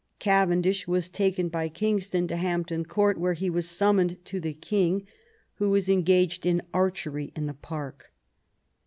Cavendish was taken by Kingston to Hampton Court, where he was summoned to the king, who was engaged X THE FALL OF WOLSEY 207 in archery in the park.